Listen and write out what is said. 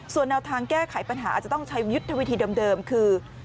ส่วนแนวทางแก้ไขปัญหาอาจจะต้องใช้ยุทธวิธีเดิมคือ